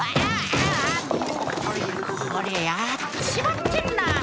ああこりゃやっちまってんな。